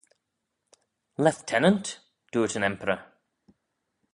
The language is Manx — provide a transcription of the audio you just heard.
Lieutenant? dooyrt yn Emperor.